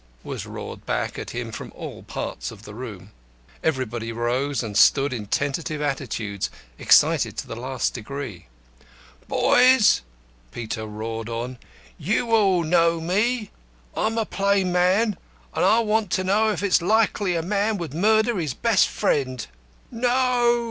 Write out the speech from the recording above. was roared back at him from all parts of the room. Everybody rose and stood in tentative attitudes, excited to the last degree. "Boys!" Peter roared on, "you all know me. I'm a plain man, and I want to know if it's likely a man would murder his best friend." "No!"